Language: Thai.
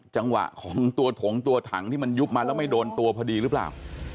จังหวะของตัวถงตัวถังที่มันยุบมาแล้วไม่โดนตัวพอดีหรือเปล่า